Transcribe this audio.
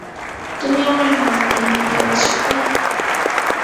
তুমি আমার হাত ভেঙে ফেলছো, ওহ!